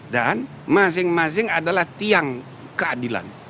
dan masing masing adalah tiang keadilan